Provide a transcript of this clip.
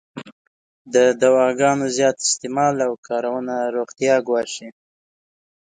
د دواګانو زیات استعمال او کارونه روغتیا ګواښی.